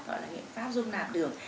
gọi là nghiệm pháp dung nạp đường